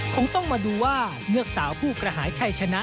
คงต้องมาดูว่าเมื่อสาวผู้กระหายชัยชนะ